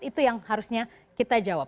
itu yang harusnya kita jawab